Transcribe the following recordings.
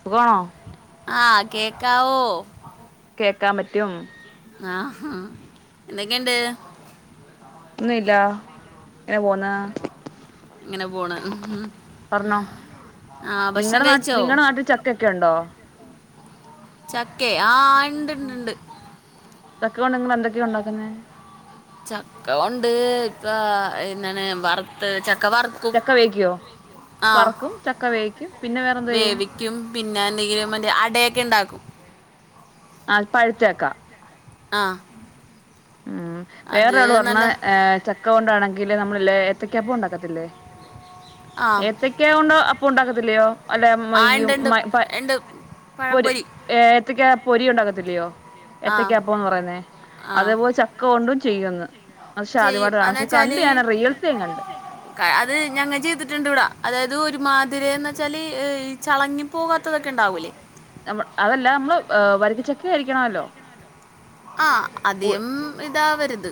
സുഖാണോ? ആഹ്, കേക്കാവോ? കേക്കാൻ പറ്റും. ആഹ്, ഹാഹ് എന്തൊക്കെണ്ട്? ഒന്നുല്ല. ഇങ്ങനെ പോവുന്ന് ഇങ്ങനെ പോണ് പറഞ്ഞോ, ആ ഭക്ഷണം നിങ്ങടെ നാട്ട് കഴിച്ചോ നിങ്ങടെ നാട്ടിൽ ചക്കയൊക്കെ ഉണ്ടോ? ചക്കെ ആഹ്, ഉണ്ട്, ഉണ്ട്, ഉണ്ട് ചക്ക കൊണ്ട് നിങ്ങൾ എന്തൊക്കെയാ ഉണ്ടാക്കുന്നെ? ചക്ക കൊണ്ട് ഇപ്പൊ എന്നാണ് വറുത്ത് ചക്ക വറുത്ത് ചക്ക വേവിക്ക്യോ, വറക്കും ചക്ക വേവിക്കും പിന്നെ വേറെന്തോ ചെയ്യും. ക്കും പിന്നെ എന്തെങ്കിലും മറ്റ് അടയൊക്കെ ഇണ്ടാക്കും. ആഹ് അത് പഴുത്ത ചക്ക ആഹ് മ്, വേറൊരാള് പർഞ്ഞ് ഏഹ് ചക്ക ചക്കോണ്ടാണെങ്കില് നമ്മള് ല്ലേ ഏത്തക്കാപ്പം ഉണ്ടാക്കത്തില്ലേ, ആ ഏത്തയ് ഏത്തയ്ക്ക കൊണ്ട് അപ്പം ഉണ്ടാക്കത്തില്ല്യയോ, അല്ലെ ആ ഉണ്ട് മൊയ്യും ഉണ്ട് മയ് പയ് ഉണ്ട് പൊരി, പഴംപൊരി ഏത്തയ്ക്കാ പൊരി ഉണ്ടാക്കത്തില്ലെയോ ആ ഏത്തയ്ക്കാ അപ്പംന്ന് പറയുന്നെ ആ അതേപോൽ ച ചക്ക കൊണ്ടും ചെയ്യുന്ന്. അത് ചെയ്യും ശാതിമഠമാണ്, പക്ഷെ കണ്ട് ഞാൻ റിയൽ സ് ഞാൻ കണ്ട്. കാ അത് ഞങ്ങ ചെയ്തിട്ടുണ്ട് ഇവിട. അതായത് ഒരുമാതിരേന്ന് വെച്ചാല് ഈ ചളങ്ങി പോകാത്തതൊക്കെ ണ്ടാവൂലേ നമ്മൾ അതല്ല നമ്മള് വരക്കച്ചക്ക കഴിക്കണവല്ലോ ആഹ്, അധിയം ഇതാവരുത്.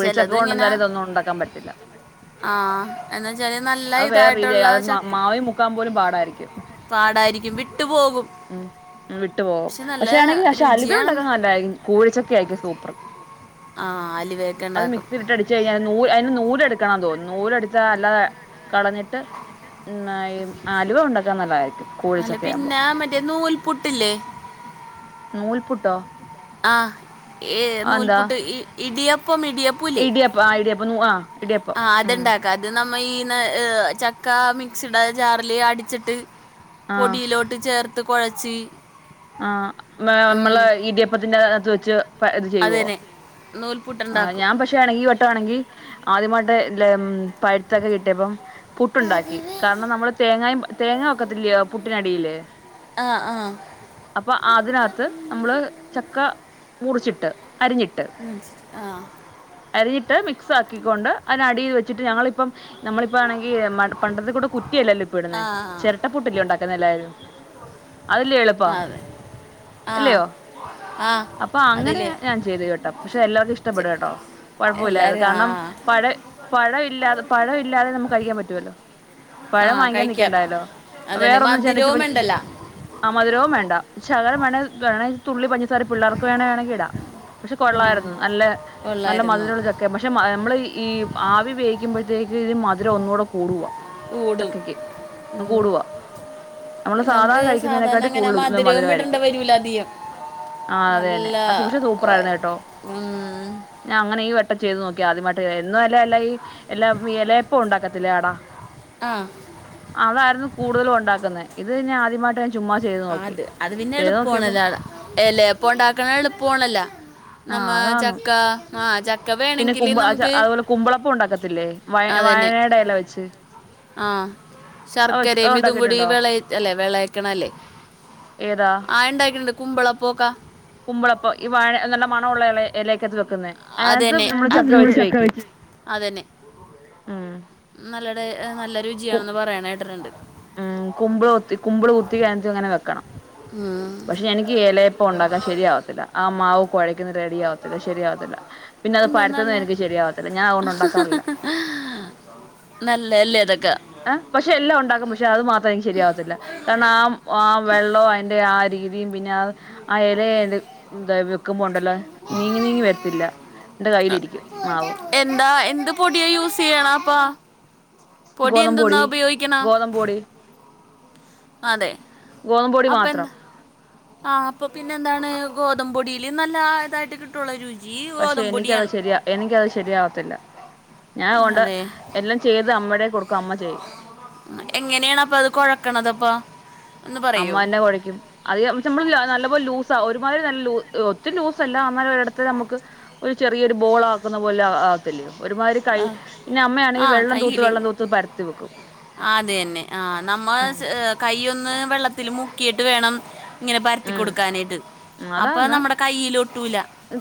ചിലത് ഇതൊന്നും ഉണ്ടാക്കാൻ പറ്റില്ല. ആഹ്, എന്താച്ചാല് നല്ല അത് വേറെ രീതിയായി ഇതായിട്ടുള്ള അത് ശക്തി മാവിൽ മുക്കാൻ പോലും പാടായിരിക്കും പാടായിരിക്കും വിട്ടുപോകും. ഉം, ഉം വിട്ടു പോകും. നല്ല പക്ഷെ ആണെങ്കിൽ പക്ഷെ അലുവ ഉണ്ടാക്കാൻ രുചിയാണെന്ന് നല്ലായിരിക്കും കൂഴച്ചക്കയായിക്കും സൂപ്പർ. ആ അലുവയൊക്കെ അത് ഉണ്ടാക്കും മിക്സിലിട്ടടി ച്ച് കഴിഞ്ഞാൽ നൂൽ അതിന് നൂല് എടുക്കണം തോന്ന്ന്ന്. നൂലെട്ത്താ അല്ലാതെ കളഞ്ഞിട്ട് ട്ട് ന്നാൽ ഈ അലുവ ഉണ്ടാക്കാൻ നല്ലതായിരിക്കും കോഴച്ചക്ക ആവുമ്പോ ആഹ്, മറ്റേ നൂൽ പുട്ടില്ലേ നൂൽപുട്ടോ? ആഹ്, ഏഹ് അതെന്താ നൂൽപുട്ട് ഇ ഇടിയപ്പം ഇടിയപ്പം ഇടിയപ്പം ആഹ് ഇടിയപ്പം നൂ ആ ഇടിയപ്പ ആ ഉം അതുണ്ടാക്കാം അത് നമ്മൾഈ ചക്ക മിക്സിടെ ജാറില് അടിച്ചിട്ട് ആ പൊടിയിലോട്ട് ഇട്ട് ചേർത്ത് കോഴച്ചി ആഹ് മേ നമ്മളെ ഇടിയപ്പത്തിന്റെ അകത്ത് വെച്ച് അതന്നെ നൂൽ ആഹ് ഞാൻ പക്ഷെ എടക്ക് പെട്ടതാണെങ്കി ആദ്യമായിട്ട്ല്ല പഴുത്തൊക്കെ കിട്ടിയപ്പം പുട്ടുണ്ടാക്കി പതിവ് കാരണം നമ്മള് തേങ്ങ തേങ്ങ വക്കത്തില്ലേ പുട്ടിനടിയില് ആഹ് ആഹ് അപ്പൊ അതിനകത്ത് നമ്മള് ചക്ക മുറിച്ചിട്ട് അരിഞ്ഞിട്ട് ആഹ് അരിഞ്ഞിട്ട് മിക്സ് ആക്കിക്കൊണ്ട് അയ്നടിയിൽ വെച്ചിട്ട് ഞങ്ങളിപ്പം നമ്മളിപ്പ ആണെങ്കി പണ്ടത്തെ കൂടെ കുറ്റിയല്ലല്ലോ ഇപ്പ ആ ഇടുന്നേ ചിരട്ട [unintelligible] അതെ ആ അല്ലയോ ആ അപ്പൊ അങ്ങനെ അതില്ലേ ഞാൻ ചെയ്ത് കേട്ടെ പക്ഷെ എല്ലാവർക്കും ഇഷ്ടം ചെ- വടെട്ടോ കുഴപ്പമില്ലായിരുന്നു എല്ലാരും ആ കാരണം പഴ പഴ ഇല്ലാതെ പഴ ഇല്ലാതെ നമുക്ക് കഴിക്കാൻ പറ്റുവല്ലോ ആ പഴം വാങ്ങിക്കാൻ കഴിക്കാം നിക്കണ്ടാലോ അതന്നെ വേറെന്നും മധുരവും [unintelligible] ഉണ്ടല്ല ആ മധുരവും വേണ്ട ശകരം വേണെ വേണെ തുള്ളി പഞ്ചസാര പിള്ളേർക്ക് വേണേണെങ്കി ഇടാ പക്ഷെ ആ കൊള്ളായിരുന്നു നല്ലെ നല്ലെ കൊള്ളായിരുന്നു മധുരുള്ള ചക്കയാ പ പക്ഷെ നമ്മള് ഈ ആവി വേവിക്കുമ്പോഴത്തേക്ക് ഈ മധുരം ഒന്നുകൂടെ കൂടുവാ ഊടും ചക്കയ്ക്ക് ഉം. കൂടുവാ നമ്മള് സാധാ നമുക്ക് സാധാരണ കഴിക്കുന്നതിനെക്കാട്ടി അങ്ങനെ [unintelligible] മധുരവും ഇടേണ്ട മധുരായിരിക്കും വരൂല അധികം ആഹ് അതെന്നെ ആ സൂഷ സൂപ്പറായിരുന്നു കേട്ടോ മ്മ് ഞാൻ അങ്ങനെ ഈ വട്ടം ചെയ്ത് നോക്കിയ ആദ്യമായിട്ട് എന്നുമല്ല അല്ലെങ്കി എല്ലാ ഈ എലയപ്പം ഉണ്ടാക്കത്തില്ലേ അട ആ അന്നായിരുന്നു കൂടുതലും ഉണ്ടാക്കുന്നെ ഇത് ഞാൻ ആദ്യമായിട്ട് ചുമ്മാ ചെയ്ത് ആഹ് നോക്കി അത് അത് പിന്നെ ചെയ്ത് നോക്കിയപ്പം എളുപ്പമാണല്ലോ എല അപ്പം ഉണ്ടാക്ണ എളുപ്പവാണല്ലേ നമ്മ ആഹ് അതാന്നു ചക്ക ആഹ് ചക്ക വേ പിന്നെ കുമ്പ അതുപോലെ കുമ്പളപ്പം ഉണ്ടാക്കത്തില്ലേ വയ വാഴടെ ഇല വെച്ച് ആഹ് അത് വെച്ച് അത് ശർക്കരയും ഇതും കൂടി ഉണ്ടാക്കിയിട്ടുണ്ടോ വേള അല്ലെ വേളക്ണല്ലേ ഏതാ ആയ് ഇണ്ടാക്കിട്ടുണ്ട് കുമ്പളപ്പോക്ക കുമ്പളപ്പം ഈ വാഴ നല്ല മണ ഉള്ള എലക്കകത്ത് വെക്കുന്നെ അയ്നകത്ത് നമ്മള് ചക്ക വെച്ച് കൈയിക്കും അതന്നെ നല്ല ടേ നല്ല കു രുചിയാന്ന് പറിണത് കേട്ടിട്ടുണ്ട് ഉം കുമ്പിള് കുത്തി കുമ്പിള് കുത്തി കഴിഞ്ഞിട്ടങ്ങനെ വെക്കണം പക്ഷെ ഉം. എനിക്ക് ഇലയപ്പം ഉണ്ടാക്കാൻ ശരിയാവത്തില്ല ആഹ് മാവ് കൊഴക്കുന്നെ റെഡിയാവത്തില്ല ശരിയാവത്തില്ല പിന്നെ അത് എന്താ പരത്തുന്നത് എനിക്ക് ശരിയാവത്തില്ല ഞാൻ അതുകൊണ്ട് ഉണ്ടാക്കാറില്ല നല്ലയല്ലേ ഇതക്കെ ഏഹ് പക്ഷെ എല്ലാം ഉണ്ടാകും പ ക്ഷെ അത് മാത്രം എനിക്ക് ശരിയാവത്തില്ല കാരണം ആഹ് ആഹ് വെള്ളം അയ്ന്റെ ആഹ് രീതിയും പിന്നെ ആ എല എടു എന്താ വെക്കുമ്പോണ്ടല്ലോ നീങ്ങി നീങ്ങി വരത്തില്ല എന്റെ കയ്യിലിരിക്കും മാവ് എന്താ എന്ത് പൊടിയാ യൂസ് ചെയ്യ്ണാ അപ്പൊ? പൊടി എന്തെന്നാ ഗോതമ്പൊടി ഉപയോഗിക്ണ് ഗോതമ്പൊടി അതെ ഗോതമ്പൊടി മാത്രം അപ്പന്താ ആ അപ്പോ പിന്നെ എന്താണ് ഗോതമ്പോടിയിൽ നല്ല ഇതായിട്ട് കിട്ടുള്ള രുചി പക്ഷെ ഗോതമ്പ് എനിക്കത് പൊടിയാണ് ശരിയാ എനിക്കത് ശരിയാവത്തില്ല ഞാൻ അത് കൊണ്ട് അതെ എല്ലാം ചെയ്ത് അമ്മയുടെ കൊടുക്കും അമ്മ ചെയ്യും എങ്ങനെയാണ് അപ്പൊ അത് കൊഴക്കണ അപ്പൊ അമ്മ തന്നെ കൊഴയ്ക്കും അത് നമ്മള് നല്ല പോല ലൂസാ ഒരുമാതിരി നല്ല ഒത്തിരി ലൂസല്ല എന്നമാതിരി ഒരിടത്ത് നമുക്ക് ഒരു ചെറിയൊരു ബോൾ ആക്കുന്ന പോലെ ആ ത്ത്ല്യോ ഒരുമാതിരി കൈ ആ പിന്നെ ആ അമ്മയാണെങ്കിൽ വെള്ളം തൂത്ത് കയ്യിൽ വെള്ളം തൂത്ത് പരത്തി വെക്കും അത് തന്നെ ആ നമ്മ കയ്യൊന്ന് വെള്ളത്തില് മുക്കിയിട്ട് വേണം ഇങ്ങനെ പരത്തി ഉം കൊടുക്കാനായിട്ട് അപ്പൊ അതാന്ന് നമ്മുടെ കയ്യില് ഒട്ടൂല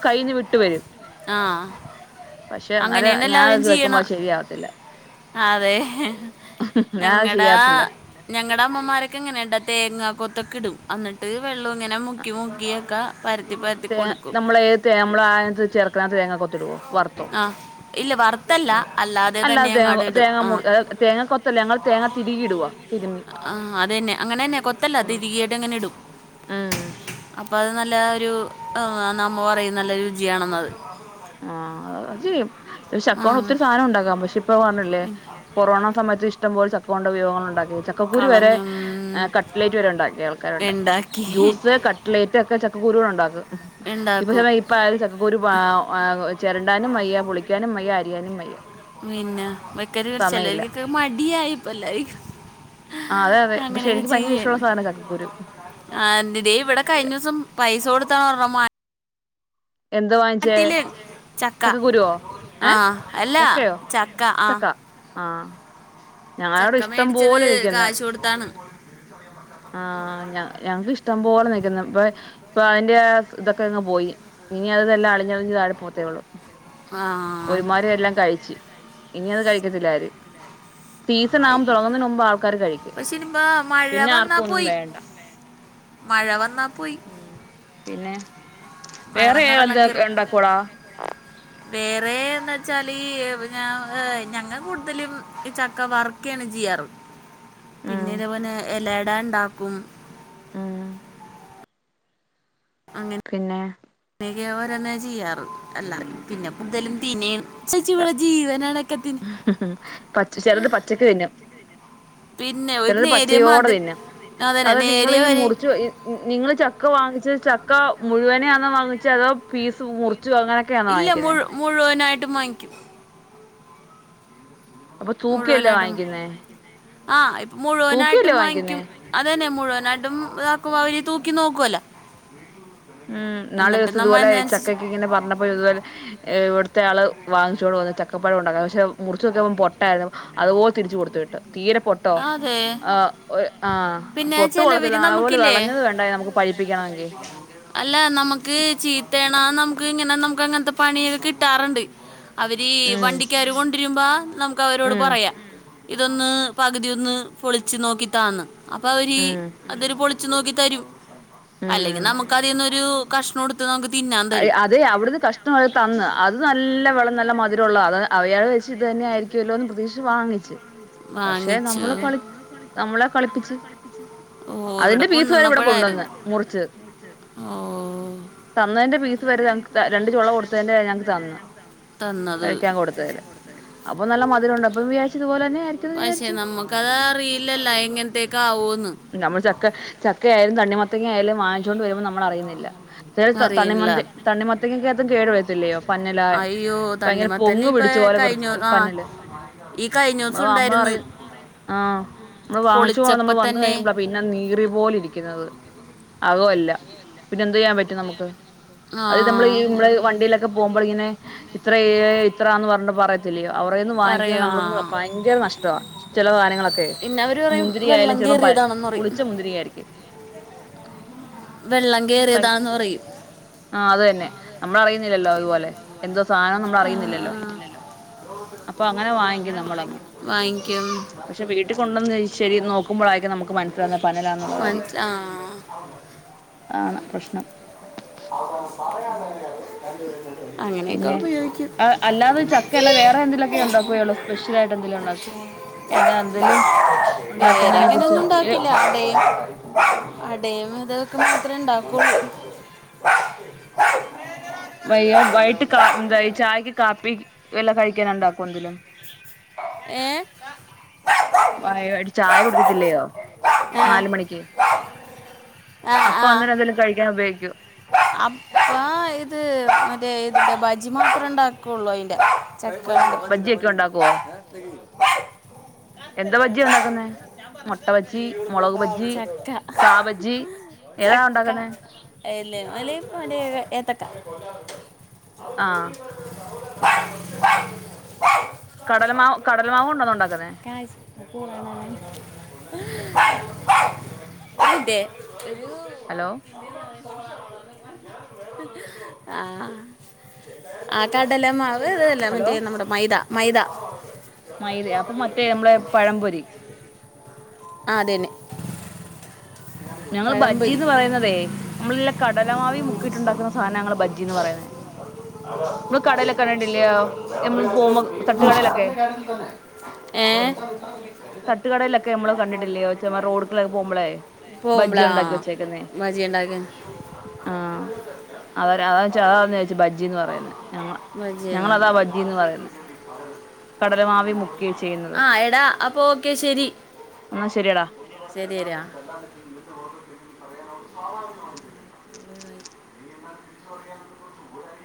കയ്യിന്ന് വിട്ട് വരും ആഹ് പക്ഷെ എന്നാലും ഞാൻ അത് വെക്കുമ്പോ അത് ശരിയാവത്തില്ല ആ അതെ ഞാനത് ഞങ്ങടാ ശരിയാവത്തില്ല ഞങ്ങളുടെ അമ്മമാരൊക്കെ ഇങ്ങനെയാട്ടാ തേങ്ങ കൊത്തൊക്കെ ഇടും അന്നിട്ട് വെള്ളം ഇങ്ങനെ മുക്കി മുക്കിയൊക്കെ പരത്തി പരത്തി തേ കൊടുക്കും നമ്മള നമ്മള് അതിനകത്ത് ചേർക്കണയിനിത് തേങ്ങ കൊത്തിടുവോ വറുത്തോ ആ ഇല്ല വറുത്തല്ല തന്നെ അല്ലാതെ തങ്ങ അങ്ങാട് ഇടും തേങ്ങ ആ മുറി തേങ്ങ കൊ ല്ല ഞങ്ങൾ തേങ്ങ തിരികി ഇടുവാ തിരുമി ആ അതന്നെ അങ്ങനെ തന്നെ കൊത്തല്ല തിരികിയിട്ട് അങ്ങനെ ഇടും ആഹ് അപ്പ അത് നല്ല ഒരു നമ്മ പറയും നല്ല രുചിയാണെന്ന് പറയും ആഹ് [unintelligible] ചക്ക ആ കൊണ്ട് ഒത്തിരി സാധനം ഉണ്ടാക്കാം പക്ഷെ ഇപ്പ പറഞ്ഞില്ലേ കൊറോണ സമത്ത് ഇഷ്ടം ഇഷ്ടംപോലെ ചക്ക കൊണ്ട് വിഭവങ്ങൾ ഉണ്ടാക്കി ചക്കക്കുരു വരെ കളഞ്ഞു കട്ട്ലേറ്റ് വരെ ഉണ്ടാക്കിയ ആൾക്കാരുണ്ട് ഉണ്ടാക്കി ജ്യൂസ്, കട്ട്ലേറ്റ് ഒക്കെ ചക്കകുരു കൊണ്ട് ഉണ്ടാക്കും ഇണ്ടാക്കും ഇപ്പാരും ചക്കക്കൂരു പാ ആ ചെരണ്ടാനും വയ്യ പൊളിക്കാനും വയ്യ അരിയാനും വയ്യ പിന്നെ വെക്കല് സമയമില്ല ചെലർക്കൊക്കെ മടിയായിപ്പല്ലായിക്ക് ആ അതെ അതെ പക്ഷെ എനിക്ക് ഭയങ്കര ഇഷ്ടമുള്ള സാധനാ ചക്കക്കുരു ആ നി തേ ഇവിടെ കഴിഞ്ഞ ദിവസം പൈസ കൊടുത്ത വാങ്ങ എന്ത് വാങ്ങിച്ചേ ട്ടില് ചക്ക ചക്കക്കുരുവോ ഏഹ് ആഹ് അല്ല ചക്കയോ ചക്ക ആഹ് ആഹ് ഞങ്ങളെ ഇവിടെ ഇഷ്ടം മേടിച്ചത് പോലെ ഇരിക്ക്ന്ന് കാശ് കൊടുത്താണ് ആഹ് ഞ ഞങ്ങക്ക് ഇഷ്ടം പോലെ നിക്ക്ന്ന് ഉപ്പം ഇപ്പൊ അതിന്റെ ഇതൊക്കെ അങ്ങ് പോയി ഇനി അതെല്ലാം അളിഞ്ഞളിഞ്ഞ് താഴെ പോവത്തേ ഉള്ളൂ ആ ഒരുമാരി എല്ലാം കഴിച്ച് ഇനി അത് കഴിക്കത്തില്ല ആരും സീസൺ ആവാൻ ആയി തുടങ്ങുന്നതിന് മുമ്പ് ആൾക്കാര് കഴിക്കും പക്ഷെ ഇനിയിപ്പോ മഴ പിന്നെ വന്നാ ആർക്കും ഒന്നും പോയി വേണ്ട [inaudible] മഴ വന്നാ പോയി ഉം പിന്നെ മഴ വേറെ വന്നാ വെള്ളം എന്തൊക്കെ കയറും ഉണ്ടാക്കും എടാ വേറെ എന്നച്ചാല് ഞ ഞങ്ങൾ കൂടുതലും ഈ ചക്ക വർക്കാണ് ചെയ്യാറ് [inaudible] ഉം പിന്നെ ഇതേപോലെ എലയട ഉണ്ടാക്കും ഉം അങ്ങനെ പിന്നെ ഇതൊക്കെ ഓരോന്ന് ചെയ്യാറ് അല്ലാതെ [unintelligible] പച്ച ചെലത് പച്ചക്ക് തിന്നും പിന്നെ ഒരു ചെലത് നേരിയ പച്ചയോടെ മതി തിന്നാം അതന്നെ അതായത് നിങ്ങളീ നേരിയ വരെ മുറിച്ച് നിങ്ങള് ചക്ക വാങ്ങിച്ചത് ചക്ക മുഴുവനെയാന്നോ വാങ്ങിച്ചത് അതോ പീസ് മുറിച്ചു വാങ്ങാ ഇല്ല മുഴു മുഴുവനായിട്ടും വാങ്ങിക്കും അപ്പൊ തൂക്കിയല്ലേ മുഴുവനാട്ടും വാങ്ങിക്കുന്നേ ആഹ് ഇ തൂക്കിയല്ലേ മുഴുവനായിട്ടും വാങ്ങിക്കുന്നേ വാങ്ങിക്കും അതന്നെ മുഴുവനായിട്ടും ഇതാക്കുമ്പ അവര് തൂക്കി നോക്കോല്ലോ ഉം ന്നാളീസോ ഇതുപോലെ ചക്കക്ക് ഇങ്ങനെ പറഞ്ഞപ്പോ ഇതുപോലെ ഇവിടുത്തെ ആള് വാങ്ങിച്ച് കൊണ്ട് വന്ന് ചക്കപ്പഴം ഉണ്ടാക്ക പക്ഷെ മുറിച്ച്നോക്കുമ്പോ പൊട്ടയാരുന്നു അതുപോലെ തിരിച്ചു കൊടുത്തു വിട്ട് തീരെ പൊട്ടോ അതെ ആഹ് ആഹ് പിന്നെ പൊട്ട് ചിലവര് കൊള്ളത്തില്ല അതുപോലെ നമുക്കില്ലേ വെളഞ്ഞത് വേണ്ടയോ നമുക്ക് പഴിപ്പിക്കണമെങ്കിൽ അല്ല നമുക്ക് ചീത്തേണ നമുക്ക് ഇങ്ങനെ നമുക്ക് അങ്ങനത്തെ പണിയൊ കിട്ടാറുണ്ട് അവരീ ഉം വണ്ടിക്കാര് കൊണ്ടരുമ്പോ നമുക്ക് അവരോട് ഉം പറയാം ഇതൊന്ന് പകുതി യൊന്ന് പൊളിച്ചു നോക്കിതാന്ന് അപ്പൊ അവരീ ഉം അതൊരു പൊളിച്ചു നോക്കി തരും അല്ലെങ്കി ഉം നമുക്ക് അതിന്നൊരു കഷ്ണം എടുത്ത് നമുക്ക് തിന്നാൻ തരും അതെ അവിടുന്ന് കഷ്ണം അവര് തന്ന് അത് നല്ല വെളഞ്ഞ് നല്ല മധുരള്ളത് അത് അയാള് വെച്ച് ഇത് തന്നെ ആയിരി ക്കോല്ലോന്ന് പ്രതീക്ഷിച്ച് വാങ്ങിച്ച് പക്ഷെ വാങ്ങിച്ചു നമ്മള് കളി നമ്മളെ കളിപ്പിച്ച് ഓ ഇവിടെ അതിന്റെ പീസ് വരെ ഇവിടെ കൊണ്ടുവന്ന് മുറിച്ച് ഓഹ് തന്നതിന്റെ പീസ് വരെ രണ്ട് ചൊള കൊടുത്തതിന്റെറെ ഞങ്ങക്ക് തന്നു തന്നത് കഴിക്കാൻ കൊടുത്തേ അപ്പൊ നല്ല മധുരണ്ട് അപ്പൊ വിചാരിച്ച് ഇത്പോലെന്നെ പക്ഷെ നമ്മുക്കത് അറിയില്ലല്ലോ എങ്ങനത്തേക്ക ആവൂന്ന് നമ്മള് ചക്ക ചക്ക ആയാലും തണ്ണിമത്തങ്ങ ആയാലും വാങ്ങിച്ചോണ്ട് വരുമ്പോ നമ്മള് അറിയുന്നില്ല താ അറിയില്ല തണ്ണിമത്ത തണ്ണിമത്തങ്ങക്കകത്തും കേടു വരത്തില്ലയോ പന്നലായ് അയ്യോ ഭയങ്കര തണ്ണിമത്തന്നെ പൊങ് ഇപ്പൊ പിടിച്ച പോലെ വൃ കഴിഞ്ഞ ആ പന്നല് ഈ കഴിഞ്ഞ ഇവടെ ദിവസം അമ്മ ഉണ്ടായിരുന്നു പറയും ആഹ് നമ്മള് വാങ്ങിച്ചു [unintelligible] പൊളിച്ചപ്പോ നമ്മള് വന്ന് തന്നെ കഴിയുമ്പള പിന്നെ പിന്നെ നീറി പോല ഇരിക്കുന്നത് അതോല്ല പിന്നെ എന്ത് ചെയ്യാൻ പറ്റും നമുക്ക് ആ അത് നമ്മള് ഈ മ്മള് വണ്ടിയിലൊക്കെ പോകുമ്പോൾ ഇങ്ങനെ ഇത്ര ഇത്രന്ന് പറഞ്ഞ പറയ ത്തില്ലയോ അവരെന്ന് വാങ്ങിക്കുമ്പോ പറയാ നമള്ക്ക് ഭയങ്കര നഷ്ടവ ചില സാധാനങ്ങളൊക്കെ. പിന്നെ അവര് പറയും മുന്തിരി ആയാലും വെള്ളം ചിലപ്പോ പ കയറിയതാണെന്ന് പറയും പുളിച്ച മുന്തിരിങ്ങയായിരിക്കും. വെള്ളം പ കേറിയതാന്ന് പറയും. ആഹ് അത് തന്നെ നമ്മള് അറിയുന്നില്ലല്ലോ അതുപോലെ എന്താ സാധനം നമ്മൾ അറിയുന്നില്ലല്ലോ. അപ്പൊ വാങ്ങിക്കും അങ്ങനെ നമ്മളങ്ങ് വാങ്ങിക്കും വാങ്ങിക്കും പക്ഷെ വീട്ടിൽ കൊണ്ടന്ന് ശരി നോക്കുമ്പഴായിരിക്കും നമുക്ക് മ [unintelligible] പഞ്ഞലാന്നുള്ള കാര്യം മനസ്സി ആ അതാണ് പ്രശ്നം. ഉം [inaudible] അങ്ങനെയൊക്കെ പിന്നെ ഉപയോഗിക്കും അഹ് അല്ലാതെ ചക്കയല്ല വേറെ എന്തേലൊക്കെ ഉണ്ടാക്കോ ഇയാള് സ്പെഷ്യൽ ആയിട്ട് എന്തേലും ഉണ്ടാക്കോ? എല്ലാ എന്തെലും ഉണ്ടാക്കുന്നതിനെ കുറിച്ച്. ണ്ടാക്കില്ല അടയും അടയും ഇതൊക്കെ മാത്രേ ഇണ്ടാക്കുള്ളൂ. വയ്യ വൈകിട്ട് എന്താ ചായക്ക് കാപ്പി വല്ല കഴിക്കാന് ഉണ്ടാക്കോ എന്തെലും? ഏഹ് വായോ ഒരു ചായ കുടിക്കത്തില്ലയോ ആ നാല് മണിക്ക്. ആ അപ്പൊ അന്നേരം എന്തേലും കഴിക്കാൻ ഉപയോഗിക്കോ? അപ്പോ ഇത് മറ്റേ ഇത് ബജി മാത്രം ഉണ്ടാക്കൊള്ളൂ അയിന്റെ. ചക്കണ്ട്. ബജ്ജിയൊക്കെ ഉണ്ടാക്കുവോ എന്താ ബജ്ജിയാ ഉണ്ടാക്ക്ന്നെ മുട്ട ബജി മുളക് ബജി ചക്ക കാ ബജി ഏതാ ഉണ്ടാക്കുന്നെ ഏയ് ഇല്ലെ എലേ പലേ ഏത്തക്ക ആഹ് കടൽമാവ് കടൽമാവണ്ടോന്നോ ഇണ്ടാക്ക്ന്നെ [unintelligible] അതെ ഹലോ ആഹ് ആഹ് കാലമാവ് അല്ല ഹലോ മറ്റേ നമ്മടെ മൈദ മൈദ മൈദയോ അപ്പൊ മറ്റേ നമ്മളെ പഴംപൊരി ആഹ് അതന്നെ ഞങ്ങള് പഴംപൊരി ബജീന്ന് പറയുന്നതേ നമ്മള് നല്ല കടലമാവി മുക്കീട്ടുണ്ടാക്കുന്ന സാനങ്ങള് ബജ്ജീന്ന് പറയുന്നേ നമ്മള് കടേലൊക്കെ കണ്ടില്ലയോ നമ്മള് പോവുമ്പോ തട്ടുകടേലൊക്കെ ഏഹ് തട്ടുകടേലൊക്കെ നമ്മള് കണ്ടിട്ടില്ലയോ ചോ റോഡു കുടെ പോവുമ്പളെ ബജ്ജി പോകുമ്പോളാ ഉണ്ടാക്കി വെച്ചേക്കുന്നേ ബജി ഉണ്ടാക്കാൻ ആഹ് അവരാ അഅ് വെച്ചാ ആന്നോയ്ച്ചെ ബജീന്ന് പറയുന്നേ ബജി എന്നാണ് കടലമാവി മുക്കി വെച്ചെക്കുന്നത് ആ എടാ അപ്പോൾ എന്നാ ശരിയടാ ശരേരാ [inaudible]